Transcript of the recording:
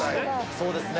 そうですね。